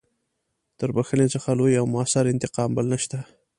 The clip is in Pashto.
تر بخښنې څخه لوی او مؤثر انتقام بل نشته.